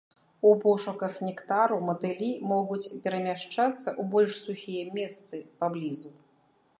У пошуках нектару матылі могуць перамяшчацца ў больш сухія месцы паблізу.